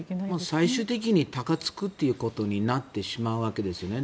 最終的に高くつくということになってしまうわけですね。